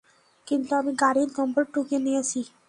কিন্তু আমি গাড়ির নম্বর টুকে নিয়েছি।